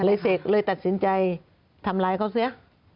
เสกเลยตัดสินใจทำร้ายเขาเสีย